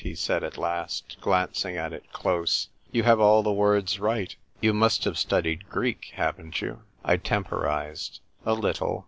he said at last, glancing at it close. " You have all the words right. You must have studied Greek, haven't you ?" I temporised. " A little."